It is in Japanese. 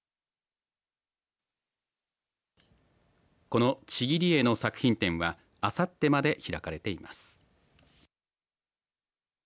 このちぎり絵の作品展はあさってまで開かれています。